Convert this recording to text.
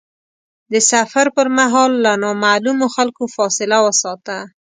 د سفر پر مهال له نامعلومو خلکو فاصله وساته.